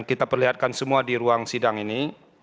kita perlihatkan semua di ruang sidang ini